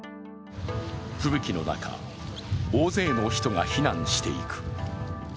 吹雪の中、大勢の人が避難していく。